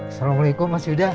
assalamualaikum mas yuda